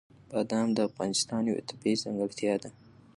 بادام د افغانستان یوه طبیعي ځانګړتیا ده.